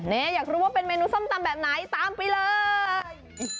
นี่อยากรู้ว่าเป็นเมนูส้มตำแบบไหนตามไปเลย